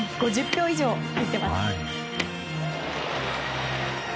５０票以上入っています。